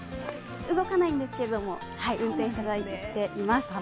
動かないんですけれども、運転させていただいています。